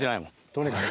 とにかく。